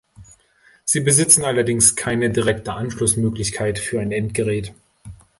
Sie besitzen allerdings keine direkte Anschlussmöglichkeit für ein Endgerät.